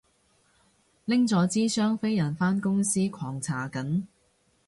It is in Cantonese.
拎咗支雙飛人返公司狂搽緊